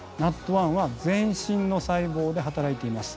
ＮＡＴ１は全身の細胞で働いています。